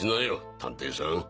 探偵さん。